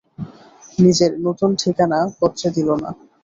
নিজের নূতন ঠিকানা পত্রে দিল না।